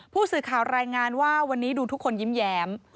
ผู้สื่อข่าวรายงานว่าวันนี้ดูทุกคนยิ้มแย้ม